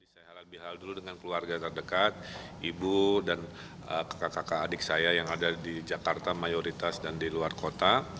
saya halal bihalal dulu dengan keluarga terdekat ibu dan kakak kakak adik saya yang ada di jakarta mayoritas dan di luar kota